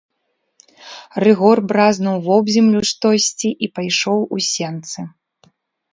Рыгор бразнуў вобземлю штосьці і пайшоў у сенцы.